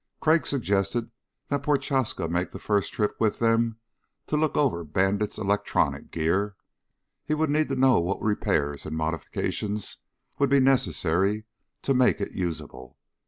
Crag suggested that Prochaska make the first trip with them to look over Bandit's electronic gear. He would need to know what repairs and modifications would be necessary to make it usable.